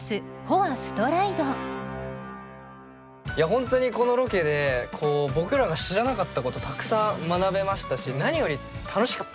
本当にこのロケで僕らが知らなかったことたくさん学べましたし何より楽しかったです。